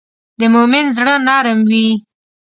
د مؤمن زړه نرم وي.